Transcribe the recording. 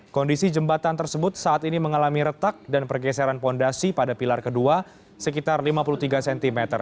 kondisi jembatan tersebut saat ini mengalami retak dan pergeseran fondasi pada pilar kedua sekitar lima puluh tiga cm